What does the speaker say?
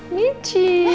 aku akan menanggung diri